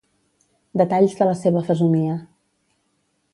—Detalls de la seva fesomia.